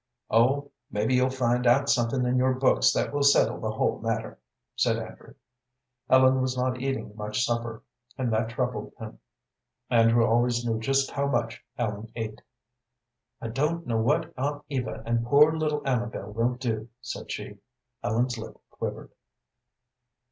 "Oh, maybe you'll find out something in your books that will settle the whole matter," said Andrew. Ellen was not eating much supper, and that troubled him. Andrew always knew just how much Ellen ate. "I don't know what Aunt Eva and poor little Amabel will do," said she. Ellen's lip quivered.